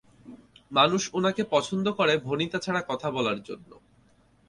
মানুষ উনাকে পছন্দ করে ভণিতা ছাড়া কথা বলার জন্য।